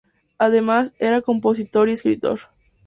Además, era compositor y escritor.